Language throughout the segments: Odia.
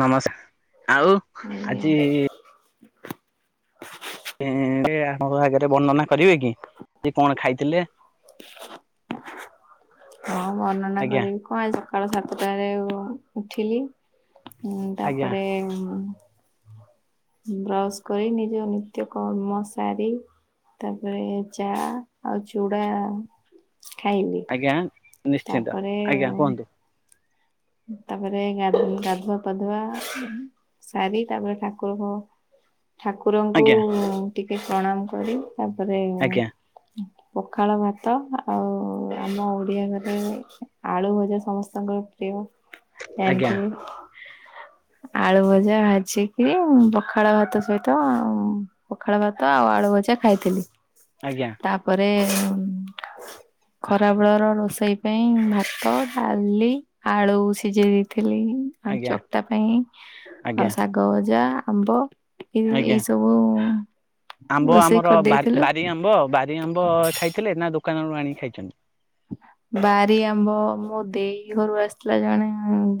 ନମସ୍କାର ଆଉ ଆଜ୍ଞା ଆଜି ଆମ ଆଗରେ ବର୍ଣ୍ଣନା କରିବେ କି ଯେ କଣ ଖାଇଥିଲେ? [unintelligible] ହଁ ବର୍ଣ୍ଣନା ଆଜ୍ଞା କରିବି କଣ ଆଜି ସକାଳ ସାତଟାରେ ଉଠିଲି [unintelligible] ହୁଁ ଆଜ୍ଞା ତାପରେ ବ୍ରସ କରି ନିଜ ନିତ୍ୟ କର୍ମ ସାରି ତାପରେ ଚା ଆଉ ଚୁଡ଼ା ଖାଇଲିି। ଆଜ୍ଞା, ନିଶ୍ଚିନ୍ତ ଆଜ୍ଞା କୁହନ୍ତୁ? ତାପରେ ଗା ଗାଧୁଆ ପାଧୁଆ ସାରି ତାପରେ ଠାକୁରକୁ ଠାକୁରଙ୍କୁ ଆଜ୍ଞା ଟିକେ ପ୍ରଣାମ କରି ତାପରେ ଆଜ୍ଞା ପଖାଳ ଭାତ ଆଉ ଆମ ଓଡ଼ିଆ ଘରେ ଆଳୁ ଭଜା ସମସ୍ତଙ୍କ ପ୍ରିୟ [unintelligible] ଆଜ୍ଞା ଜାଣିଥିବେ। ଆଳୁ ଭଜା ଭାଜିକି ପଖାଳ ଭାତ ସହିତ ପଖାଳ ଭାତ ଆଉ ଆଳୁ ଭଜା ଖାଇଥିଲି। ଆଜ୍ଞା। ତାପରେ [unintelligible] ଖରାବେଳର ରୋଷେଇ ପାଇଁ ଭାତ ଡାଲି ଆଳୁ ସିଝେଇ ଦେଇଥିଲି ଆଉ ଆଜ୍ଞା ଚକଟା ପାଇଁ ଆଉ ଆଜ୍ଞା ଶାଗ ଶାଗ ଭଜା ଆମ୍ବ ଏ ଏଇ ଆଜ୍ଞା ସବୁ ଆମ୍ବ ରୋଷେଇ ଆମର ବାରି କରିଦେଇଥିଲୁ ବାରି ଆମ୍ବ ବାରି ଆମ୍ବ ଖାଇଥିଲେ ନା ଦୋକାନରୁ ଆଣିକି ଖାଇଚନ୍ତି? ବାରି ଆମ୍ବ ମୋ ଦେଇ ଘରୁ ଆସିଥିଲା ଜଣେ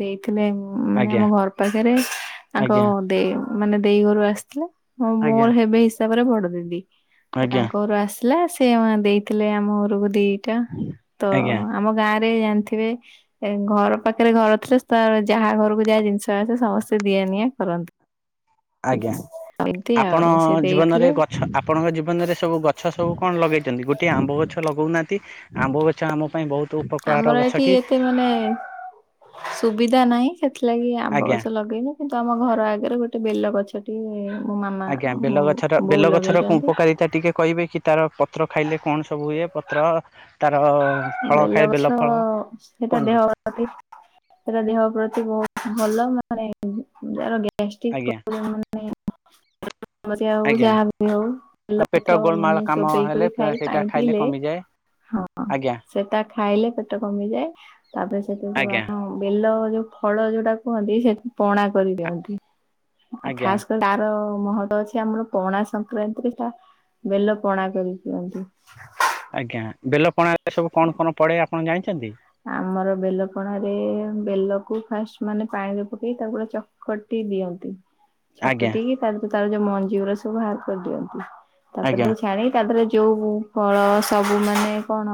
ଦେଇଥିଲେ। ଉ, ମାନେ ଆଜ୍ଞା ଆମ ଘର ପାଖରେ ତାଙ୍କ ଆଜ୍ଞା ଦେଇ ମାନେ ଦେଇ ଘରୁ ଆସିଥିଲେ। ହଁ ଆଜ୍ଞା ମୋର ହେବେ ହିସାବରେ ବଡ ଦିଦି ତ ଆଜ୍ଞା ତାଙ୍କ ଘରୁ ଆସ ସିଥିଲା ସେ ଦେଇଥିଲେ ଆମ ଘରକୁ ଦିଟା। ତ ଆଜ୍ଞା ଆମ ଗାଁରେ ଜାଣିଥିବେ ଏ ଘର ପାଖରେ ଘର ଥିଲେ ତ ଯାହା ଘରକୁ ଯା ଜିନିଷ ଆସେ ସମସ୍ତେ ସମସ୍ତେ ଦିଆ ନିଆ କରନ୍ ଆଜ୍ଞା ତି। ଆପଣ ଜୀବନରେ ଗଛ, ଆପଣଙ୍କ ଜୀବନରେ ସବୁ ଗଛ ସବୁ କଣ ଲଗେଇଚନ୍ତି? ଗୁ ଟେ ଆମ୍ବ ଗଛ ଲଗଉନାହାନ୍ତି। ଆମ୍ବ ଗଛ ଆମ ପାଇଁ ବହୁତୁ ଆମର ଏଠି ଏତେ ଘ ମାନେ ସୁବିଧା ନାହିଁ ସେଥିଲାଗି ଆମ୍ବ ଆଜ୍ଞା ଗଛ ଲଗେଇନୁ। କିନ୍ତୁ ଆମ ଘର ଆଗରେ ଗୋଟେ ବେଲ ଗଛଟିଏ ମୋ ମାମା ଆଜ୍ଞା ମୋ ବେଲଗଛର ବୋଉ ବେଲ ଗଛର କୋଉ ଲଗେଇଛନ୍ତି ଉପକାରିତା ଟିକେ କହିବେ କି ତାର ପତ୍ର ଖାଇଲେ କଣ ସବୁ ହୁଏ? ପତ୍ର ତାର ଫଳ ଖାଏ ବେଲ ଫଳ ସେଟା କୁହନ୍ତୁ? [unintelligible] ସେଟା ଦେହ ପ୍ରତି ବହୁତ ଭଲ। ମାନେ ଯାର ଡେ ଗ୍ୟାଷ୍ଟିକ୍ ଆଜ୍ଞା ପ୍ରବ୍ଲେମ୍ ମାନେ କୌଣସି ଆଉ ଆଜ୍ଞା ଯାହା ବି ହଉ ଆଉ ବେଲ ପେଟ ପତ୍ର ମାନେ ଗୋଳମାଳ କାମ ଚୋବେଇ ହେଲେ କରି ଖାଇ ସେଇଟା ପାଣି ଖାଇଲେ ପିଇଲେ କମିଯାଏ ହଁ ଆଜ୍ଞା ସେଟା ଖାଇଲେ ପେଟ କମିଯାଏ। ତାପରେ ସେଥିରେ ଯୋଉ ଆଜ୍ଞା ଆପଣ ହଁ ବେଲ ଯୋଉ ଫଳ ଯୋଉଟା କୁହନ୍ତି ସେଟା ପଣା କରିପିଅନ୍ତି। ଆ ଆଜ୍ଞା ଖାସ୍ କରି ତାର ମହତ ଅଛି ଆମର ପଣା ସଂକ୍ରାନ୍ତିରେ ସେଟା ବେଲ ପଣା କରିି ପିଅନ୍ତି। ଆଜ୍ଞା ବେଲପଣାରେ ସବୁ କଣ କଣ ପଡେ ଆପଣ ଜାଣିଛନ୍ତି? ଆମର ବେଲ ପଣାରେ ବେଲକୁ ଫାଷ୍ଟ ମାନେ ପାଣିରେ ପକେଇ ତାକୁ ପୁରା ଚ କଟି ଦିଅନ୍ତି। ଆଜ୍ଞା ଛକଟିିକି ତାର ତାର ଯୋଉ ମଞ୍ଜିିଗୁରା ସବୁ ବାହାର କରିଦିଅନ୍ତି। ତାପରେ ଆଜ୍ଞା ତାକୁ ଛାଣି ତା ଦେହରେ ଯୋଉ ଫଳ ସବୁ ମାନେ କଣ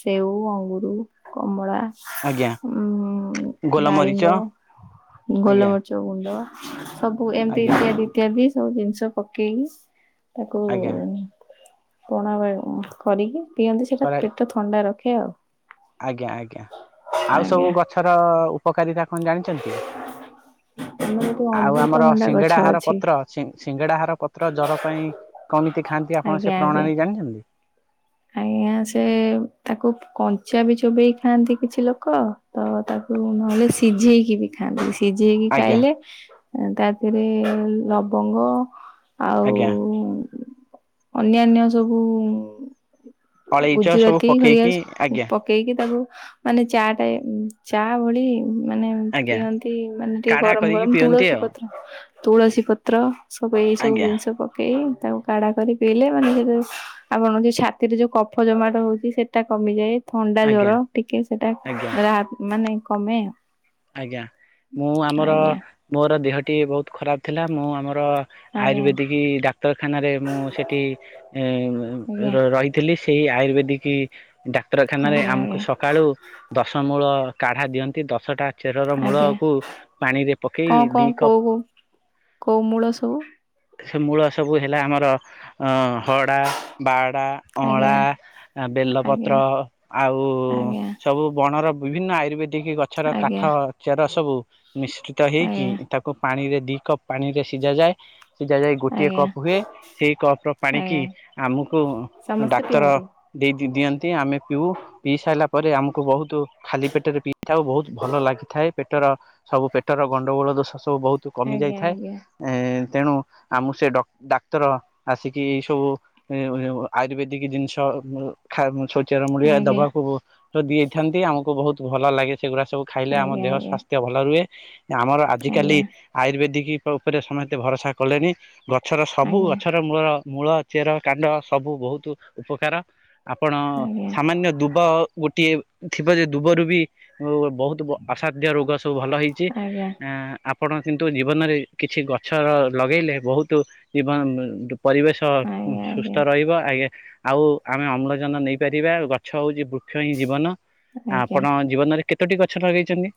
ସେଉ ଅଙ୍ଗୁରୁ କମଳା ଆଜ୍ଞା ଉଁ, ଗୋଲମରିଚ ଡାଳିମ୍ବ ଆଜ୍ଞା ଗୋଲମରି ଚ ଗୁଣ୍ଡ ସବୁ ଏମିତି ଆଜ୍ଞା ଇତ୍ୟାଦି ଇତ୍ୟାଦି ସବୁ ଜିନିଷ ପକେଇକି ତାକୁ ଆଜ୍ଞା। ହୁଁ, ପଣା [unintelligible] ଉ, କରିକି ପିଅନ୍ତି ସେଟା କରା ପେଟ ଥଣ୍ଡା ରଖେ ଆଉ। ଆଜ୍ଞା, ଆଜ୍ଞା ଆଉ ସବୁ ଆଜ୍ଞା। ଗଛର ଉପକାରିତା କଣ ଜାଣିଛନ୍ତି କି? ଆମର ଗୋଟେ ଆଉ ଆମର ଅମୃତଭଣ୍ଡା ଗଛ ଅଛି ସିଙ୍ଗଡାହାରପତ୍ର ସିଙ୍ଗ ସିଙ୍ଗଡ଼ାହାର ପତ୍ର ଜ୍ଵର ପାଇଁ କମିତି ଖାଆନ୍ତି ଆପଣ ସେ ଆଜ୍ଞା ଆଜ୍ଞା। ପ୍ରଣାଳୀ ଜାଣିଛନ୍ତି? ଆଜ୍ଞା ସେ ତାକୁ ଫୁ କଞ୍ଚା ବି ଚୋବେଇ ଖାଆନ୍ତି କିଛି ଲୋକ। ତ ତାକୁ ନହେଲେ ସିଝେଇକି ବି ଖାଆନ୍ତି, ସିଝେଇକି ଆଜ୍ଞା ଖାଇଲେ ଅ, ତାପରେ ଲବଙ୍ଗ ଆଉ ଆଜ୍ଞା। ଅନ୍ୟାନ୍ୟ ସବୁ ଅଳେଇଚ ସବୁ ଗୁଜୁରାତି ଘରିକା ପକେଇକି ସ- ଆଜ୍ଞା ପକେଇକି ତାକୁ ମାନେ ଚା ଟାଏ ଉଁ, ଚା ଭଳି ଉଁ, ମାନେ ଆଜ୍ଞା। ପିଅନ୍ତି, ମାନେ ଟିକେ କାଢା ଗରମ କରିକି ଗରମ ପିଅନ୍ତି ତୁଳସୀ ଆଉ ପତ୍ର, ତୁଳସୀ ପତ୍ର ସବୁ ଏଇ ସବୁ ଆଜ୍ଞା ଜିନିଷ ପକେଇ ତାକୁ କାଢା କରି ପିଇଲେ ମାନେ [unintelligible] ଆପଣଙ୍କ ଯୋଉ ଛା ତିରେ ଯୋଉ କଫ ଜମାଟ ହଉଛି ସେଟା କମିଯାଏ। ଥଣ୍ଡା ଆଜ୍ଞା ଜର ଟିକେ ସେଟା ଆଜ୍ଞା। ରା-ମାନେ କମେ। ଆଜ୍ଞା ମୁଁ ଆମର ଆଜ୍ଞା ମୋର ଦେହଟି ବହୁତ ଖରାପ ଥିଲା ମୁଁ ଆମର ଆଜ୍ଞା ଆୟୁର୍ବେଦିକ ଡାକ୍ତରଖାନାରେ ମୁଁ ସେଠି ଏ, ମୁମ୍ ଆଜ୍ଞା ର- ରହି ଥିଲି ସେଇ ଆୟୁର୍ବେଦିକି ଡାକ୍ତରଖାନାରେ ଆଜ୍ଞା ଆମକୁ ଆଜ୍ଞା ସକାଳୁ ଦଶ ମୂଳ କାଢ଼ା ଦିଅନ୍ତି ଦଶଟା ଚେରର ଆଜ୍ଞା ମୂଳକୁ ପାଣିରେ ପକେଇ କଣ କଣ ଦି କପ କୋଉ କୋଉ ପାଣି କୋଉ ମୂଳ ସବୁ ସେ ମୂଳ ସବୁ ହେଲା ଆମର ହଡ଼ା ବାଡ଼ା ଅଁଳା ଆଜ୍ଞା ବେଲପତ୍ର ଆଜ୍ଞା ଆଉ ଆଜ୍ଞା ସବୁ ବଣର ବିଭିନ୍ନ ଆୟୁର୍ବେଦିକ ଗଛର କାଠ ଆଜ୍ଞା ଚେର ସବୁ ମିଶ୍ରିତ ହେଇକି ଆଜ୍ଞା ତାକୁ ପାଣିରେ ଦି କପ୍ ପାଣିରେ ସିଝା ଯାଏ। ସିଝା ଯାଇକି ଗୋଟିଏ ଆଜ୍ଞା କପ୍ ହୁଏ ସେଇ କପ ର ପାଣିକି ଆଜ୍ଞା ଆମକୁ ସମସ୍ତେ ଡାକ୍ତର ପିଅନ୍ତି ଦିଅନ୍ତି। ଦେଇ ଦିଅନ୍ତି ଆମେ ପିଉ ପିଇ ସାରିଲା ପରେ ଆମକୁ ବହୁତ ଖାଲି ପେଟରେ ପିଇଥାଉ ବହୁତ ଭଲ। ଭଲ ଲାଗିଥାଏ ପେଟର ସବୁ ପେଟର ଗଣ୍ଡଗୋଳ ଦୋଷ ସବୁ ବହୁତ କମି ଆଜ୍ଞା ଯାଇଥାଏ। ଏ ତେଣୁ ଆମକୁ ସେ ଡ ଡାକ୍ତର ଆସିକି ସବୁ ଆୟୁର୍ବେଦିକ ଜିନିଷ। ଖ ଶୌଚର ମୂଳି ଆଜ୍ଞା ଦବାକୁ ଯ ଦି ଦେଇଥାନ୍ତି ଆମକୁ ବହୁତ ଭଲ ଲାଗେ ସେଗୁଡା ସବୁ। ଖାଇଲେ ଆମ ଆଜ୍ଞା ଦେହ ସ୍ଵାସ୍ଥ୍ୟ ଭଲ ରୁହେ ଆମର ଆଜିକାଲି ଆଜ୍ଞା ଆୟୁର୍ବେଦିକ ଉପରେ ସମସ୍ତେ ଭରସା କଲେଣିି ଗଛର ସବୁ ଆଜ୍ଞା ଗଛର ମୂଳ ମୂଳ ଚେର କାଣ୍ଡ ସବୁ ବହୁତ ଉପକାର ଆପଣ ଆଜ୍ଞା ସାମାନ୍ୟ ଦୁବ ଗୋଟିଏ ଥିବ ଯେ ଦୁବରୁ ବି ବହୁତ ଅସାଧ୍ୟ ରୋଗ ସବୁ ଭଲ ହେଇଛି ଆଜ୍ଞା ଆଜ୍ଞା ଆ ଆପଣ କିନ୍ତୁ ଜୀବନରେ କିଛି ଗଛର ଲଗେଇଲେ ବହୁତ ଜୀବନ। ପରିବେଶ ଆଜ୍ଞା ସୁସ୍ଥ ଆଜ୍ଞା ରହିବ ଆ ଗେ ଆଉ ଆମେ ଅମ୍ଳଜାନ ନେଇପାରିବା ଗଛ ହଉଛି ବୃକ୍ଷ ହିଁ ଜୀବନ ଆଜ୍ଞା ଆଜ୍ଞା ଆପଣ ଜୀବନରେ କେତୋଟି ଗଛ ଲଗେଇଛନ୍ତି?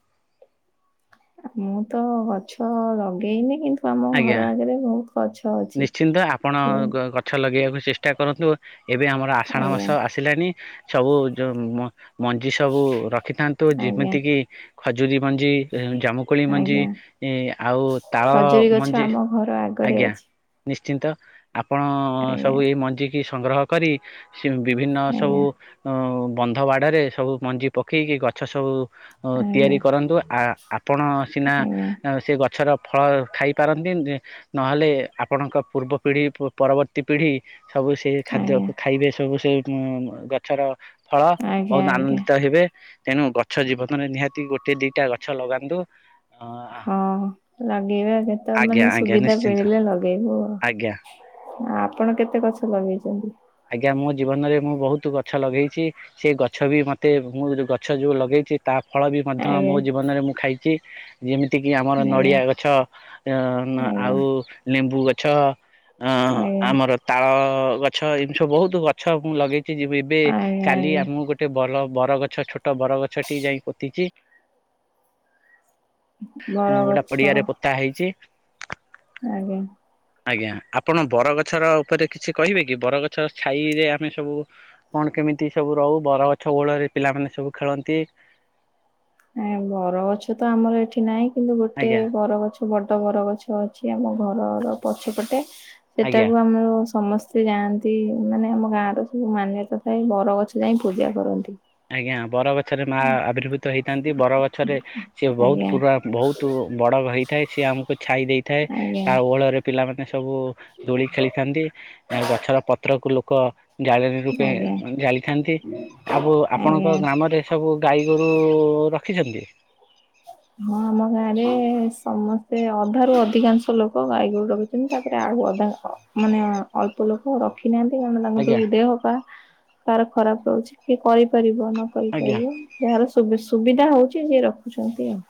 ମୁଁ ତ ଗଛ ଲଗେଇନି କିନ୍ତୁ ଆମ ଆଜ୍ଞା ଘର ଆଗରେ ବହୁତ ଗଛ ଅଛି। ନିଶ୍ଚିନ୍ତ ଆପଣଗ ଗଛ ଲଗେଇବାକୁ ଚେଷ୍ଟା କରନ୍ତୁ ଏବେ ଆମର ଆଷାଢ଼ ଆଜ୍ଞା ମାସ ଆସିଲାଣି ସବୁ ଯୋଉ ମଞ୍ଜି ସବୁ ରଖିଥାନ୍ତୁ ଆଜ୍ଞା ଯେମିତି କିି ଖଜୁରୀ ମଞ୍ଜି ଜାମୁ କୋଳି ମଞ୍ଜି ଆଜ୍ଞା ତା ତାଳ ଖଜୁରୀ ଗଛ ମଞ୍ଜି ଆମ ଘର ଆଗରେ ଆଜ୍ଞା। ଅଛି ନିଶ୍ଚିନ୍ତ ଆପଣ ଆଜ୍ଞା ସବୁ ଏଇ ମଞ୍ଜି କି ସଂଗ୍ରହ କରି ବିଭିନ୍ନ ସବୁ ଆଜ୍ଞା ଉ ବନ୍ଧ ବାଡରେ ସବୁ ମଞ୍ଜି ପକେଇକି ଗଛ ସବୁ ଆଜ୍ଞା ତିଆରି କରନ୍ତୁ ଆ ଆପଣ ସିନା ଆଜ୍ଞା ସେ ଗଛର ଫଳ ଖାଇ ପାରନ୍ତି ନହେଲେ ଆପଣଙ୍କ ପୂର୍ବ ପିଢ଼ି ପରବର୍ତ୍ତୀ ପିଢ଼ି ସବୁ ସେ ଆଜ୍ଞା ଖାଦ୍ୟକୁ ଖାଇବେ ସବୁ ସେ ଗଛର। ଫଳ ଆଜ୍ଞା ବହୁତ ଆଜ୍ଞା ଆନନ୍ଦିତ ହେବେ। ତେଣୁ ଗଛ ଜୀବନରେ ନିହାତି ଗୋଟେ ଦିଟା ଗଛ ଲଗାନ୍ତୁ ଅ ହଁ ଲଗେଇବା କଥା ଆଜ୍ଞା ମାନେ ଆଜ୍ଞା ସୁବିଧା ନିଶ୍ଚିନ୍ତ ମିଳିଲେ ଲଗେଇବୁ ଆଜ୍ଞା ଆଉ। ଆପଣ କେତେ ଗଛ ଲଗେଇଛନ୍ତି? ଆଜ୍ଞା ମୋ ଜୀବନରେ ମୁଁ ବହୁତ ଗଛ ଲଗେଇଛି। ସେ ଗଛ ବି ମତେ ମୁଁ ଯୋଉ ଗଛ ଯୋଉ ଲଗେଇଛି ତା ଫଳ ବି ମଧ୍ୟ ଆଜ୍ଞା ମୋ ଜୀବନରେ ମୁଁ ଖାଇଛି। ଯେମିତି କିି ଆମର ଆଜ୍ଞା ନଡ଼ିଆ ଗଛ ଅ ମ ଆଜ୍ଞା ଆଉ ଲେମ୍ବୁ ଗଛ। ଅ ଆଜ୍ଞା ଆମର ତାଳ ଗଛ ଏମିତି ସବୁ ବହୁତ ଗଛ ମୁଁ ଲଗେଇଛି ଏବେ ଆଜ୍ଞା କାଲି ଆଜ୍ଞା ଆମଁ ଗୋଟେ ବର ବରଗଛ ଛୋଟ ବରଗଛଟି ଯାଇ ପୋତିଛି। ମୁଁ ଗୋଟାଏ ବରଗଛ ପଡିଆରେ ପୋତା ହେଇଛି। ଆଜ୍ଞା। ଆଜ୍ଞା ଆପଣ ବରଗଛର ଉପରେ କିଛି କହିବେ କି ବରଗଛ ଛାଇରେ ଆମେ ସବୁ କଣ କେମିତି ସବୁ ରହୁ ବର ଗଛ ଓହଳରେ ପିଲାମାନେ ସବୁ ଖେଳନ୍ତି। ଏଁ ବରଗଛ ତ ଆମର ଏଠି ନାହିଁ କିନ୍ତୁ ଗୋଟେ ଆଜ୍ଞା ବରଗଛ ବଡ ବର ଗଛ ଅଛି ଆମ ଘରର ପଛପଟେ ଆଜ୍ଞା ସେଟାକୁ ଆମର ସମସ୍ତ ସେ ଯାଆନ୍ତି ମାନେ ଆମ ଗାଁର ସବୁ ମାନ୍ୟତା ଥାଏ ବରଗଛ ଯାଇ ପୂଜା କରନ୍ତି। ଆଜ୍ଞା ବର ଗଛରେ ମା ଆବିର୍ଭୁତ ହେଇଥାନ୍ତି ବର ଗଛରେ ସିଏ ବହୁତ ଆଜ୍ଞା ପୁରା ବହୁତ ବଡ ହେଇଥାଏ ସିଏ ଆମକୁ ଛାଇ ଦେଇଥାଏ ଆଜ୍ଞା ତା ଓହଳରେ ପିଲାମାନେ ସବୁ ଦୋଳି ଖେଳିଥାନ୍ତି ଗଛର ପତ୍ରକୁ ଲୋକ ଜାଳେରି ରୂପେ ଆଜ୍ଞା ଜାଳିଥାନ୍ତି ଆଉ ଆପଣଙ୍କ ଆଜ୍ଞା। ଗାଁ ଆମର ଏ ସବୁ ଗାଈ ଗୋରୁ ରଖିଛନ୍ତି। ହଁ ଆମ ଗାଁରେ ସମସ୍ତେ ଅଧାରୁ ଅଧିକାଂଶ ଲୋକ ଗାଈ ଗୋରୁ ର କିନ୍ତୁ ତାପରେ ଆଉ ଅଧା ମାନେ ଅଳ୍ପ ଲୋକ ରଖିନାହାନ୍ତି କାହିଁ କି ଆଜ୍ଞା ନା ଦେହ ପା କାହାର ଖରାପ ଅଛି କିଏ କରି କରିପାରିବ ନ ଆଜ୍ଞା କରିପାରିବ ଯାହାର ସୁବୁ ସୁବିଧା ହଉଛି ସିଏ ରଖୁଛନ୍ତି ଆଉ।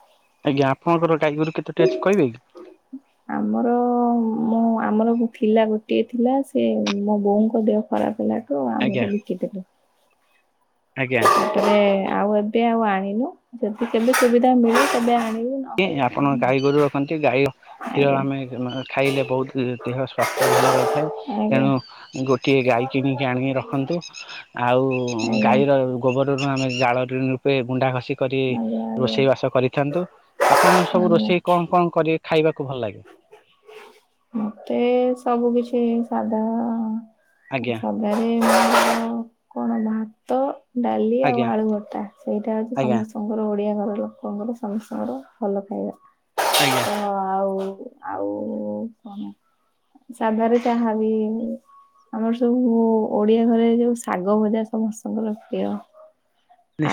ଆଜ୍ଞା ଆପଣଙ୍କର ଗାଈଗୋରୁ କେତେ ଟି ଅଛି କହିବେ କି? ଆମର ମୁଁ ଆମର ଥିଲା ଗୋଟିଏ ଥିଲା ସେ ମୋ ବୋଉଙ୍କ ଦେହ ଖରାପ ହେଲା ଠୁ ଆଜ୍ଞା ଆମର ବିକି ଦେଲୁ। ଆଜ୍ଞା। ଏବେ ଆଉ ଏବେ ଆଉ ଆଣିନୁ ଯଦି କେବେ ସୁବିଧା ମିଳିବ ତେବେ ଆଣିବୁ। କି ନହେଲେ ନାହିଁ ଆପଣ ଗାଈ ଗୋରୁ ରଖନ୍ତି ଗାଈ କ୍ଷୀର ଆଜ୍ଞା ଆମେ ଖାଇଲେ ବହୁତ ଦେହ ସ୍ଵାସ୍ଥ୍ୟ ଭଲ ରହିଥାଏ ଆଜ୍ଞା ତେଣୁ ଗୋ ଟିଏ ଗାଈ କିଣିକି ଆଣିକି ରଖନ୍ତୁ ଆଉ ଆଜ୍ଞା। ଗାଈର ଗୋବରରୁ ମାନେ ଜାଳନି ରୂପେ ଗୁଣ୍ଡା ଘଷି କରି ଆଜ୍ଞା ଆଜ୍ଞା ରୋଷେଇ ବାସ କରିଥାନ୍ତୁ। ଆପଣ ସବୁ ଆଜ୍ଞା ରୋଷେଇ କଣ କଣ କରି ଖାଇବାକୁ ଭଲ ଲାଗେ? ମତେ ସବୁ କିଛି ସାଧା ଆଜ୍ଞା ସା ଘରେ [inaudible] କଣ ଭାତ ଡାଲି ଆଉ ଆଜ୍ଞା ଆଳୁ ଭତା ସେଇଟା ହଉଛି ଆଜ୍ଞା। ସମସ୍ ତାଙ୍କର ଓଡ଼ିଆ ଘର ଲୋକଙ୍କର ସମସ୍ତଙ୍କର ଭଲ ଖାଇବା। ଆଜ୍ଞା। ହଁ ଆଉ ଆଉ କଣ ସାଧାରେ ଜାହା ବି ଆମର ସବୁ ଓଡ଼ିଆ ଘରେ ଯୋଉ ଶାଗ ଭଜା ସମସ୍ତଙ୍କର ପ୍ରିୟ।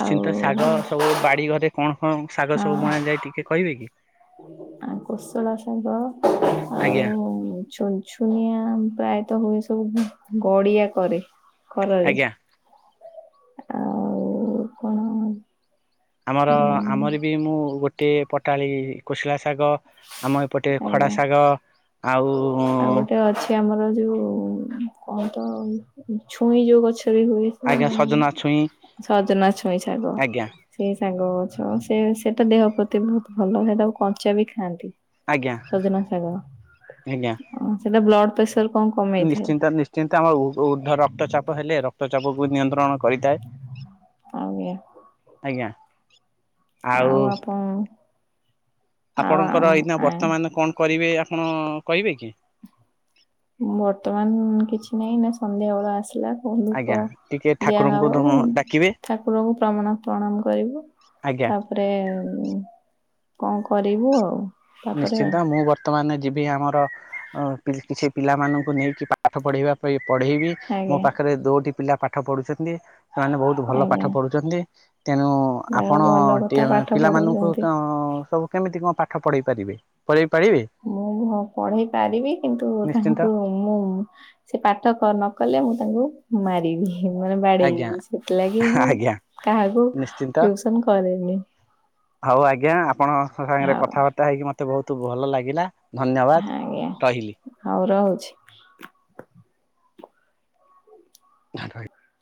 ଆଉ ଶାଗ ସବୁ ବାଡି ଘରେ କଣ କଣ ଶାଗ ହଁ ସବୁ ବୁଣ ଯାଏ ଟିକେ କହିବେ କି? ଆ କୋଶଳା ଶାଗ ଆଜ୍ଞା ଆଉ ଛୋଇ। ଛୁଇଁଆ ପ୍ରାୟତଃ ହୁଏ ସବୁ ଗଡିଆ କରେ କରରରେ। ଆଜ୍ଞା। ଆଉ କଣ? ଆମର ଉଁ ଆମର ବି ମୁଁ ଗୋଟିଏ ପଟାଳି କୋଶିଳା ଶାଗ ଆମ ଏପଟେ ଆଜ୍ଞା ଖଡା ଶାଗ ଆଉ କି ଆମର ଯେଉ କଣ ତ ଛୁଇଁ ଯେଉଁ ଗଛ ରେ ହୁଏ। ଆଜ୍ଞା ମାନେ ସଜନା ଛୁଇଁ ସଜନା ଛୁଇଁ ଛାଗ। ଆଜ୍ଞା ସେଇ ସାଗ ଗଛ ସେ ସେଟା ଦେହ ପ୍ରତି ବହୁତ ଭଲ ସେଇଟାକୁ କଞ୍ଚା ବି ଖାଆନ୍ତି। ଆଜ୍ଞା ସଜନା ଶାଗ ଆଜ୍ଞା ଅଁ ସେଟା ବ୍ଲଡ ପ୍ରେସର କଣ କମ ନିଶ୍ଚିନ୍ତ ନିଶ୍ଚିନ୍ତ ଆମର ଉର୍ଦ୍ଧ୍ୱ ରକ୍ତଚାପ ହେଲେ ରକ୍ତଚାପକୁ ନିୟନ୍ତ୍ରଣ କରିଥାଏ। ଆଜ୍ଞା। ଆଜ୍ଞା ଆଉ ଆଉ ଆମ ଆପଣଙ୍କର ଏଇନା ଆଁ ବର୍ତ୍ତମାନ କଣ କରିବେ ଆପଣ କହିବେ କି? ବର୍ତ୍ତମାନ କିଛି ନାହିଁ ଏନା ସନ୍ଧ୍ୟା ବେଳ ଆସିଲା। ଧୂପ ଆଜ୍ଞା ଟିକେ ଠାକୁରଙ୍କୁ ଦିଆହବ ମୁ ଡାକିବେ ଠାକୁରଙ୍କୁ ପ୍ରମାଣ ପ୍ରଣାମ କରିଵି। ଆଜ୍ଞା। ତାପରେ କଣ କରିବୁ ଆଉ ତାପରେ ଆଉ ନିଶ୍ଚିନ୍ତ ମୁଁ ବତ୍ ବର୍ତ୍ତମାନେ ଯିବି ଆମର କିଛି ପିଲାମାନଙ୍କୁ ନେଇକି ପାଠ ପଢ଼ିବା ପାଇଁ ପଢ଼େଇବି। ମୋ ଆଜ୍ଞା ପାଖରେ ଦୋଟି ପିଲା ପାଠ ପଢୁଛନ୍ତି ସେମାନେ ବହୁତ ଭଲ ପାଠ ଆଜ୍ଞା ପଢୁଛନ୍ତି। ତେଣୁ ଯାହା ହଉ ଆପଣ ଭଲ କଥା ପାଠ ପିଲାମାନଙ୍କୁ ପଢଉଛନ୍ତି। କଣ ସବୁ କେମିତି କଣ ପାଠ ପଢ଼େଇ ପାରିବେ ପଢେଇ ପାରିବେ? ମୁଁ ମୁଁ ପଢେଇ ପାରିବି କିନ୍ତୁ ନିଶ୍ଚିନ୍ତ ତାଙ୍କୁ ମୁଁ ସେ ପାଠ କ ନ କଲେ ମୁଁ ତାଙ୍କୁ ମାରିବି। ମୁ ମାନେ ଆଜ୍ଞା ବାଡେଇବି ସେଥିଲାଗି ମୁଁ ଆଜ୍ଞା କାହାକୁ ନିଶ୍ଚିନ୍ତ ଟିଉସନ୍ କରେନି। ହଉ ଆଜ୍ଞା ଆପଣଙ୍କ ସାଙ୍ଗରେ ଆଉ କଥାବାର୍ତ୍ତା ହେଇକି ମତେ ବହୁତ ଭଲ ଲାଗିଲା। ଧନ୍ୟବାଦ ଆଜ୍ଞା ରହିଲି। ହଉ ରହୁଛି। [inaudible]